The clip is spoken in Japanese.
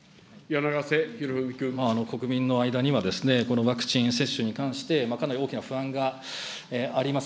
国民の間にはですね、このワクチン接種に関して、かなり大きな不安があります。